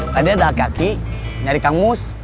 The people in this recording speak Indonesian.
tadi ada aki aki nyari kang mus